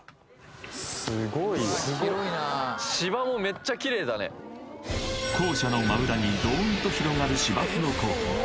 スゴいわスゴッ校舎の真裏にドーンと広がる芝生のコート